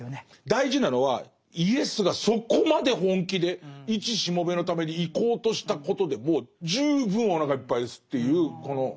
大事なのはイエスがそこまで本気でいちしもべのために行こうとしたことでもう十分おなかいっぱいですっていうこの。